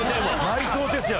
内藤哲也！